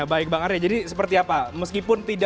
baik bang arya jadi seperti apa meskipun tidak